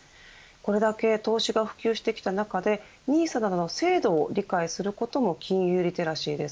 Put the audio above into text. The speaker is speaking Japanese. これだけ投資が普及してきた中でＮＩＳＡなどの制度を理解することも金融リテラシーです。